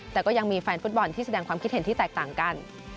แต่ก็ยังมีแฟนฟุตบอลที่แสดงความคิดเห็นที่แตกต่างกัน